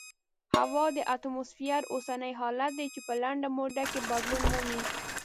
هوا د اتموسفیر اوسنی حالت دی چې په لنډه موده کې بدلون مومي.